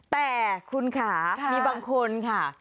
แต่คุณค่ะมีบางคนค่ะ